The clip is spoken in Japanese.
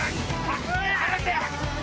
離せ！